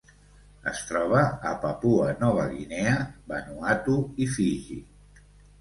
Es troba a Papua Nova Guinea, Vanuatu i Fiji.